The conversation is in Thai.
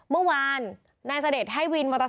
เมื่อวานนายเสด็จให้วินมอเตอร์ไซ